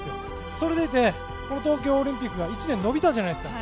それでいて、東京オリンピック１年延びたじゃないですか。